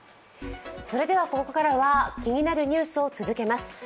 ここからは気になるニュースを続けます。